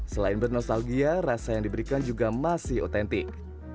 selain bernostalgia rasa yang diberikan juga masih otentik